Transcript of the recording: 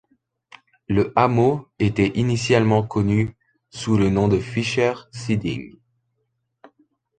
Le hameau était initialement connu sous le nom de Fisher Siding.